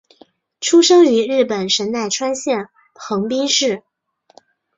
出生于日本神奈川县横滨市。